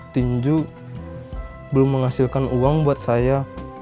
tinju belum menghasilkan uang buat saya